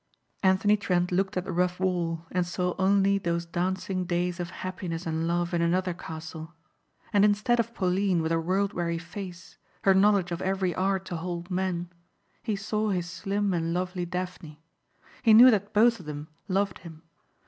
Anthony Trent looked at the rough wall and saw only those dancing days of happiness and love in another castle. And instead of Pauline with her world weary face, her knowledge of every art to hold men, he saw his slim and lovely Daphne. He knew that both of them loved him.